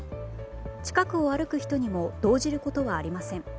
近くを歩く人にも動じることはありません。